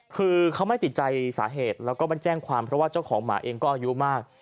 คือเขาไม่ติดใจสาเหตุแล้วก็มันแจ้งความเพราะว่าเจ้าของหมาเองก็อายุมาก